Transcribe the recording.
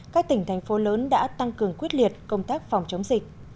các tỉnh thành phố lớn đã tăng cường quyết liệt công tác phòng chống dịch